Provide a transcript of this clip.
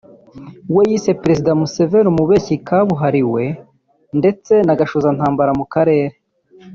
we yise Perezida Museveni Umubeshyi kabuhariwe ndetse na gashozantambara mu karere